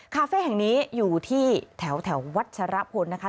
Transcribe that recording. คาเฟ่แห่งนี้อยู่ที่แถววัชรพลนะคะ